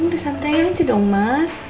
ya udah santai aja dong mas